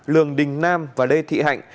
lường đình nam và lê thị hạnh